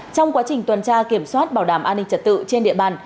trong quá trình tuần tra kiểm soát bảo đảm an ninh trật tự trên địa bàn